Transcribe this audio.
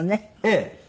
ええ。